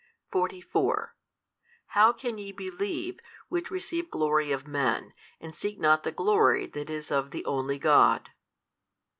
44 How can ye believe, which receive glory of men, and seek not the glory that is of the only God?